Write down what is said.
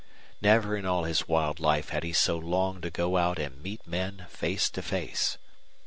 Never in all his wild life had he so longed to go out and meet men face to face.